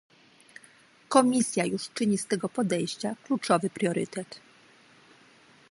Komisja już czyni z tego podejścia kluczowy priorytet